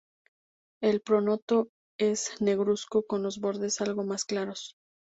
El pronoto es negruzco, con los bordes algo más claros.